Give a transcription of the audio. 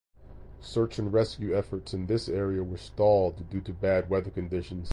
Search and rescue efforts in this area were stalled due to bad weather conditions.